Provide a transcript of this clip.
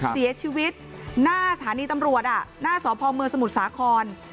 เสียชีวิตหน้าสถานีตำรวจหน้าสพเมืองสมุทรสาคร